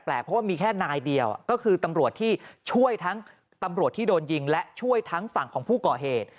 เพราะว่ามีแค่นายเดียวก็คือตำรวจที่ช่วยทั้งตำรวจที่โดนยิงและช่วยทั้งฝั่งของผู้ก่อเหตุ